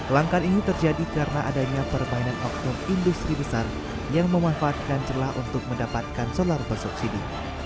langkah ini terjadi karena adanya permainan oknum industri besar yang memanfaatkan celah untuk mendapatkan solar bersubsidi